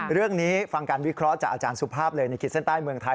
เรื่องนี้ฟังการวิเคราะห์จากอาจารย์สุภาพเลยในขีดเส้นใต้เมืองไทย